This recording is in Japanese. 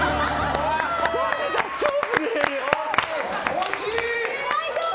惜しい！